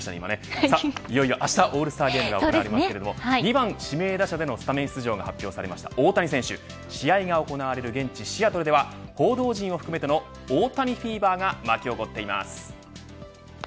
いよいよあしたオールスターゲームが行われますが２番指名打者でのスタメン出場が発表された大谷選手試合が行われる現地シアトルでは報道陣を含めての大谷フィーバーが巻き起こっています。